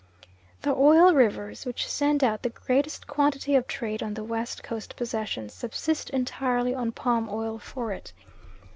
The Oil Rivers, which send out the greatest quantity of trade on the West Coast possessions, subsist entirely on palm oil for it.